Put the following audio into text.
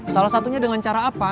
salah satunya dengan cara apa